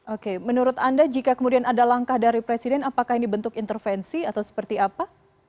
oke menurut anda jika kemudian ada langkah dari presiden apakah ini bentuk intervensi atau seperti apa